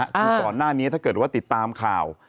คือก่อนหน้านี้ถ้าเกิดว่าติดตามข่าว